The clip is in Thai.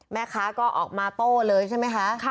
แม่ค้าก็ออกมาโต้เลยใช่ไหมคะ